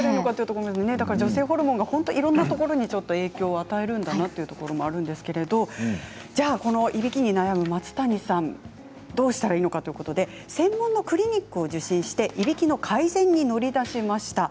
女性ホルモンがいろんなところに影響を与えるのかなというところもあるんですけれどこのいびきに悩む松谷さんどうしたらいいのかということで専門のクリニックを受診していびきの改善に乗りだしました。